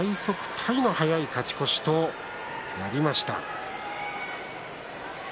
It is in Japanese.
タイの早い勝ち越しとなりました。